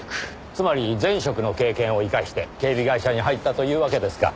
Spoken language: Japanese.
つまり前職の経験を生かして警備会社に入ったというわけですか。